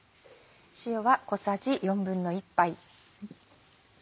塩は小さじ１／４杯。